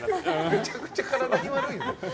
めちゃくちゃ体に悪いよ。